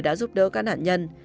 đã giúp đỡ các nạn nhân